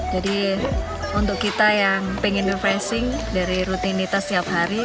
jadi untuk kita yang ingin refreshing dari rutinitas siap hati